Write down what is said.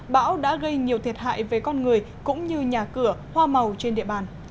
bão đã gây nhiều thiệt hại về con người cũng như nhà cửa hoa màu trên địa bàn